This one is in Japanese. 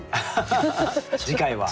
次回は。